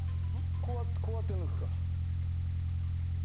こうやって抜くから。